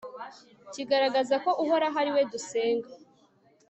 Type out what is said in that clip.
kigaragaza ko uhoraho ari we dusenga